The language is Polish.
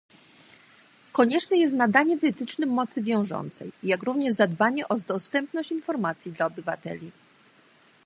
Konieczne jest nadanie wytycznym mocy wiążącej, jak również zadbanie o dostępność informacji dla obywateli